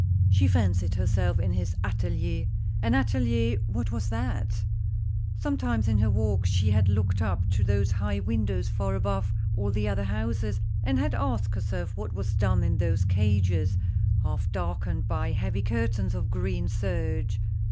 She fancied herself in his atilier. An atelier, what was that ? Sometimes in her walks, she had looked up to those high windows far above all the other houses, and had asked herself what was done in those cages, half darkened by heavy curtains of green serge.